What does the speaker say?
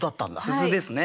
「鈴」ですね。